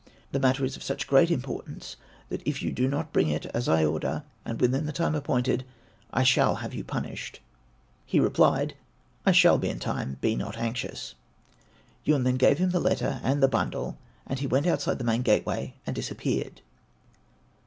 The matter is of such great importance that if you do not bring it as I order, and within the time appointed, I shall have you punished." He replied, "I shall be in time, be not anxious." Yun then gave him the letter and the bundle, and he went outside the main gateway and disappeared.